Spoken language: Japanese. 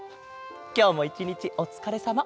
きょうもいちにちおつかれさま。